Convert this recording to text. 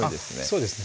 そうですね